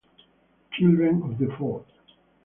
Children of the Feud